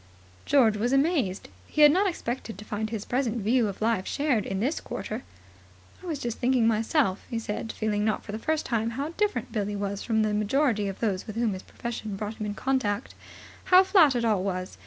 George was amazed. He had not expected to find his present view of life shared in this quarter. "I was just thinking myself," he said, feeling not for the first time how different Billie was from the majority of those with whom his profession brought him in contact, "how flat it all was.